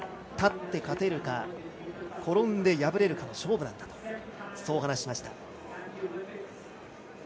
立って勝てるか転んで敗れるかの勝負なんだと話しました。